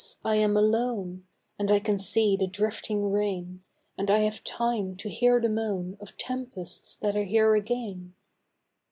I am alone, And I can see the drifting rain, And I have time to hear the moan Of tempests that are here again.